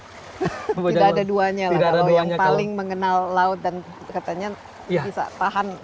tidak ada duanya lah kalau yang paling mengenal laut dan katanya bisa tahan